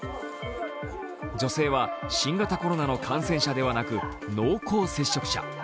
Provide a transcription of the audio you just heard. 女性は新型コロナの感染者ではなく濃厚接触者。